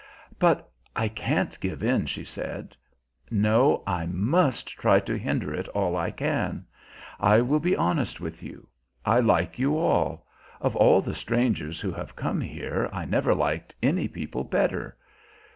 "But I can't give in," she said. "No; I must try to hinder it all I can. I will be honest with you. I like you all; of all the strangers who have come here I never liked any people better.